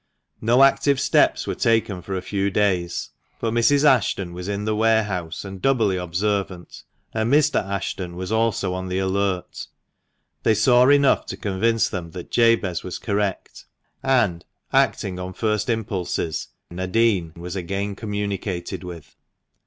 No active steps were taken for a few days, but Mrs. Ashton was in the warehouse, and doubly observant; and Mr. Ashton 164 THE MANCHESTER MAN. was also on the alert They saw enough to convince them that Jabez was correct, and, acting on first impulses, Nadin was again communicated with.